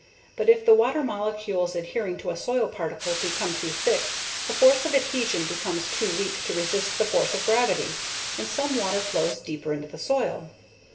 But if the water molecules adhering to a soil particle become too thick, the force of adhesion becomes too weak to resist the force of gravity, and some water flows deeper into the soil.